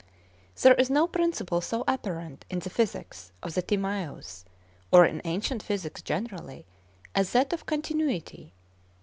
There is no principle so apparent in the physics of the Timaeus, or in ancient physics generally, as that of continuity.